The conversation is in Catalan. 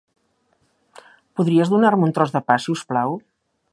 Podries donar-me un tros de pa, si us plau?